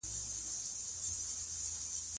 مطالعه د ذهن روح بلل سوې ده.